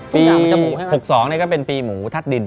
ปี๖๒นี้ก็เป็นปีหมู่ถัดดิน